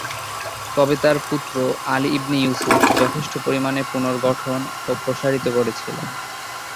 তবে তাঁর পুত্র আলী ইবনে ইউসুফ যথেষ্ট পরিমাণে পুনর্গঠন ও প্রসারিত করেছিলেন।